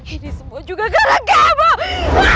ini semua juga karena kamu